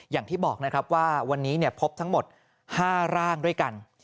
อย่างที่บอกนะครับว่าวันนี้พบทั้งหมด๕ร่างด้วยกัน